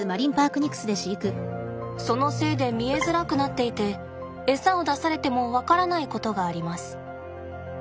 そのせいで見えづらくなっていてエサを出されても分からないことがあります。